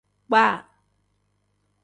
Kpaa.